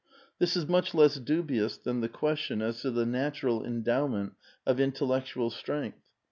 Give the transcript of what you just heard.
^^This is much less dubious than the question as to the natural endowment of intellectual strength.